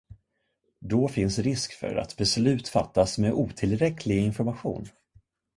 Då finns risk för att beslut fattas med otillräcklig information.